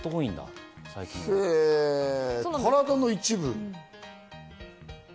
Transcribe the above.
体の一部？